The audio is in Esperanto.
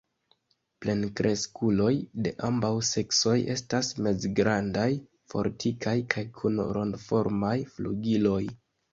Plenkreskuloj de ambaŭ seksoj estas mezgrandaj, fortikaj kaj kun rondoformaj flugiloj.